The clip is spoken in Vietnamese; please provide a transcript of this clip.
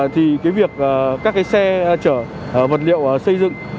thì việc các xe chở vật liệu xây dựng